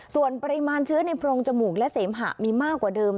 ส่วนปริมาณเชื้อในโพรงจมูกและเสมหะมีมากกว่าเดิม